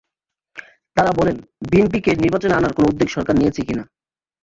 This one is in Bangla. তাঁরা বলেন, বিএনপিকে নির্বাচনে আনার কোনো উদ্যোগ সরকার নিয়েছে কি না।